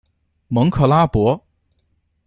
蒙克拉博。